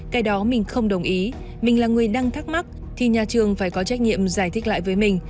cái đó mình không đồng ý mình là người đang thắc mắc thì nhà trường phải có trách nhiệm giải thích lại với mình